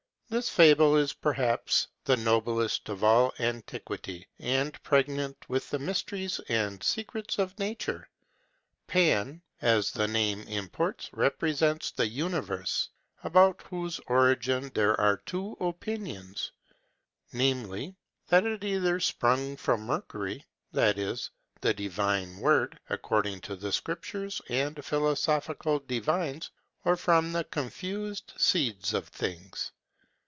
This fable is perhaps the noblest of all antiquity, and pregnant with the mysteries and secrets of nature. Pan, as the name imports, represents the universe, about whose origin there are two opinions, viz: that it either sprung from Mercury, that is, the divine word, according to the Scriptures and philosophical divines, or from the confused seeds of things.